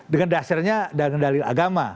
dengan dasarnya dan dalil agama